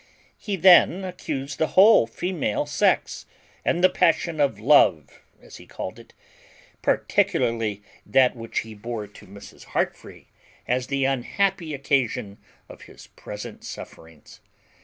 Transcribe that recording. He then accused the whole female sex, and the passion of love (as he called it), particularly that which he bore to Mrs. Heartfree, as the unhappy occasion of his present sufferings.